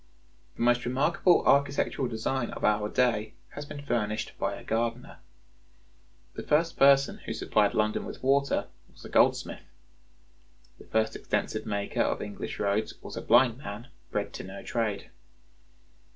The most remarkable architectural design of our day has been furnished by a gardener. The first person who supplied London with water was a goldsmith. The first extensive maker of English roads was a blind man, bred to no trade.